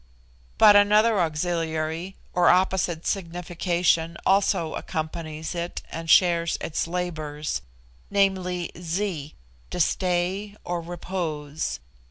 But another auxiliary or opposite signification also accompanies it and shares its labours viz., Zi, to stay or repose.